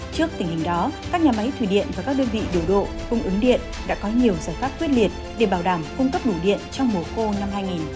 trước tình hình đó các nhà máy thủy điện và các đơn vị điều độ cung ứng điện đã có nhiều giải pháp quyết liệt để bảo đảm cung cấp đủ điện trong mùa khô năm hai nghìn hai mươi bốn